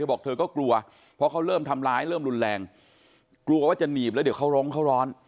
บอกเธอก็กลัวเพราะเขาเริ่มทำร้ายเริ่มรุนแรงกลัวว่าจะหนีบแล้วเดี๋ยวเขาร้องเขาร้อน